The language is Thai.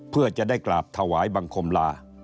เพื่อจะได้กราบถวายบังคมลา